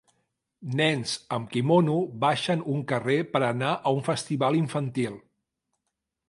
Nens amb quimono baixen un carrer per anar a un festival infantil.